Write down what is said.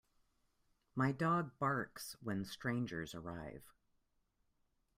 My dog barks when strangers arrive.